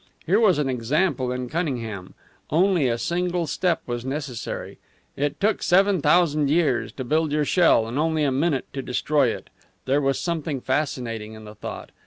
Here was an example in Cunningham. Only a single step was necessary. It took seven thousand years to build your shell, and only a minute to destroy it. There was something fascinating in the thought.